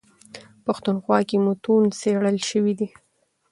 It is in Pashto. پښتونخوا کي متون څېړل سوي دي.